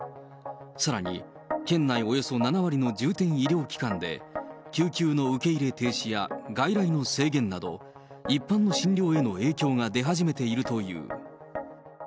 さらに、県内およそ７割の重点医療機関で、救急の受け入れ停止や、外来の制限など、一般の診療への影響が出始めているという。